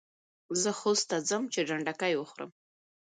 زه خوست ته ځم چي ډنډکۍ وخورم.